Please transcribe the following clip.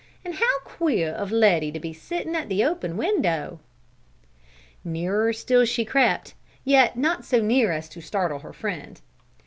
"And how queer of Letty to be sitting at the open window!" Nearer still she crept, yet not so near as to startle her friend.